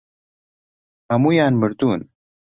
هەموویان مردوون.